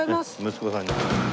息子さんに。